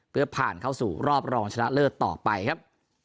เพื่อผ่านเข้าสู่รอบรองชนะเลิศต่อไปครับ